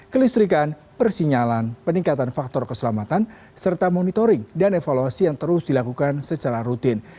kelistrikan persinyalan peningkatan faktor keselamatan serta monitoring dan evaluasi yang terus dilakukan secara rutin